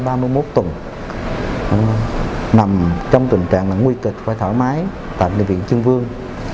bạn đồng nghiệp bác sĩ của mình mang thai ba mươi một tuần nằm trong tình trạng là nguy kịch phải thoải mái tại bệnh viện trưng vương